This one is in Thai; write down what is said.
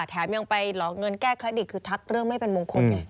แถมยังไปหลอกเงินแก้เคล็ดอีกคือทักเรื่องไม่เป็นมงคลไง